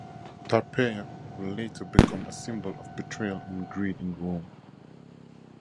Tarpeia would later become a symbol of betrayal and greed in Rome.